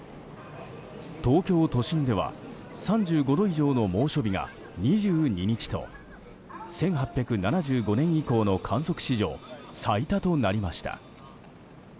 東京都心では３５度以上の猛暑日が２２日と１８７５年以降の観測史上最多となりました。